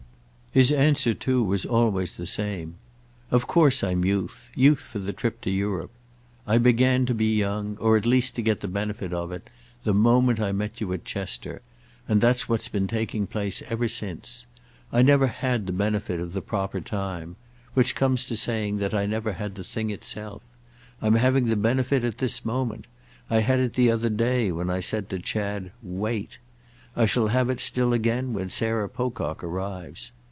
His answer too was always the same. "Of course I'm youth—youth for the trip to Europe. I began to be young, or at least to get the benefit of it, the moment I met you at Chester, and that's what has been taking place ever since. I never had the benefit at the proper time—which comes to saying that I never had the thing itself. I'm having the benefit at this moment; I had it the other day when I said to Chad 'Wait'; I shall have it still again when Sarah Pocock arrives.